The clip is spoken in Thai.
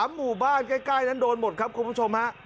หมู่บ้านใกล้นั้นโดนหมดครับคุณผู้ชมฮะ